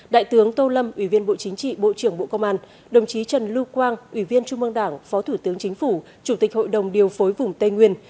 đại tướng tô lâm ủy viên bộ chính trị bộ trưởng bộ công an đồng chí trần lưu quang ủy viên trung mương đảng phó thủ tướng chính phủ chủ tịch hội đồng điều phối vùng tây nguyên